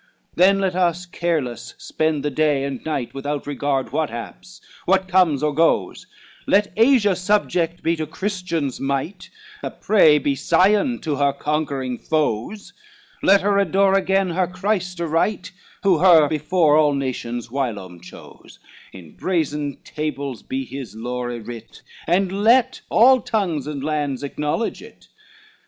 XIII "Then, let us careless spend the day and night, Without regard what haps, what comes or goes, Let Asia subject be to Christians' might, A prey he Sion to her conquering foes, Let her adore again her Christ aright, Who her before all nations whilom chose; In brazen tables he his lore ywrit, And let all tongues and lands acknowledge it.